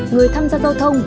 người tham gia giao thông